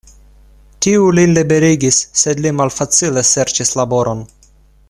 Tiu lin liberigis, sed li malfacile serĉis laboron.